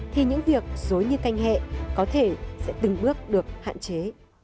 thì những việc dối như canh hẹ có thể sẽ từng bước được hạn chế